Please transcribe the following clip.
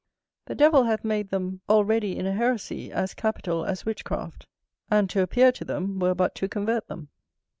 The devil hath made them already in a heresy as capital as witchcraft; and to appear to them were but to convert them.